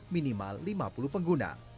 minimal lima puluh pengguna